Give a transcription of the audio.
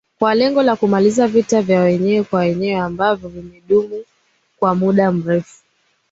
kwa lengo la kumaliza vita vya wenyewe kwa wenyewe ambavyo vimedumu kwa muda mrefu